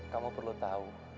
kamu perlu tahu